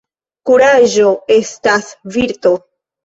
Kuraĝo estas virto.